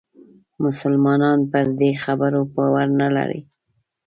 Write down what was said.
مسلمانان پر دې خبرو باور نه لري.